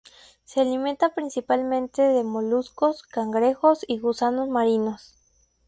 Se alimenta principalmente de moluscos, cangrejos y gusanos marinos.